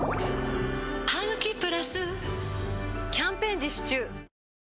「ハグキプラス」キャンペーン実施中